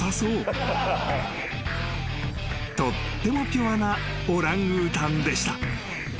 ［とってもピュアなオランウータンでした］